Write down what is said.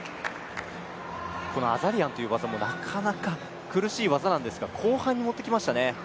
このアザリアンという技もなかなか苦しい技なんですが後半に持ってきましたね。